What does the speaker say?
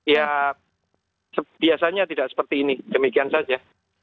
ya biasanya tidak seperti ini demikian saja